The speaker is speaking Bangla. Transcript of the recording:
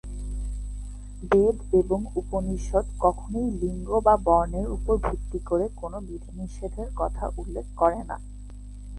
বেদ এবং উপনিষদ কখনই লিঙ্গ বা বর্ণের উপর ভিত্তি করে কোন বিধিনিষেধের কথা উল্লেখ করে না।